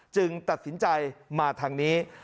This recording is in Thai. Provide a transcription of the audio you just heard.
ตัดสินใจมาทางนี้